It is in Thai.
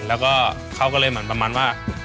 แล้วก็เขาก็เลยเหมือนประมาณว่า